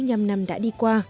sáu mươi năm năm đã đi qua